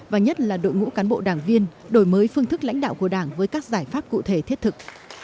và nhất là đội ngũ cán bộ đảng viên đổi mới phương thức lãnh đạo của đảng với các giải pháp cụ thể thiết thực